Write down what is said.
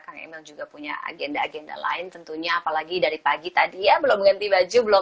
kang emil juga punya agenda agenda lain tentunya apalagi dari pagi tadi ya belum ganti baju belum